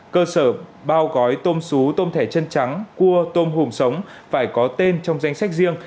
cơ sở bao gói tôm xú tôm thẻ chân trắng cua tôm hùm sống phải có tên trong danh sách riêng